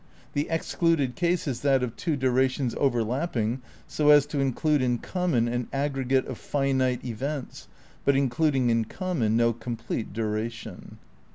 The excluded case is that of two durations overlapping: so as to include in common an aggregate of finite events, but including in common no com plete duration."